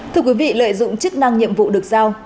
thưa quý vị lợi dụng chức năng nhiệm vụ được giao